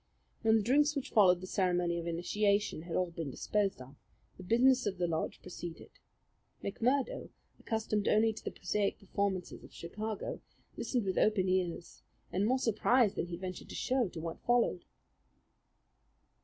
When the drinks which followed the ceremony of initiation had all been disposed of, the business of the lodge proceeded. McMurdo, accustomed only to the prosaic performances of Chicago, listened with open ears and more surprise than he ventured to show to what followed.